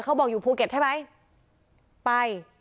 บอกอยู่ภูเก็ตใช่ไหมไป